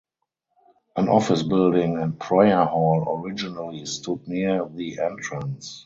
An office building and prayer hall originally stood near the entrance.